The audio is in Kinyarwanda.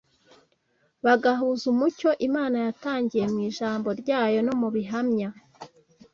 bagahuza umucyo Imana yatangiye mu Ijambo ryayo no mu bihamya